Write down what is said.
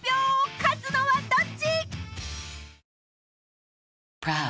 勝つのはどっち？］